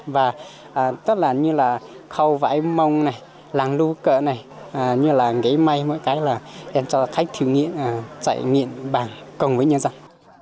và tức là như là khâu vải mông này làng nu cỡ này như là ngấy may mọi cái là em cho khách thử nghiệm trải nghiệm bản cổng với nhân dân